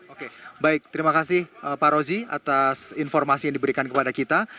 oke baik terima kasih pak rozi atas informasi yang diberikan kepada kita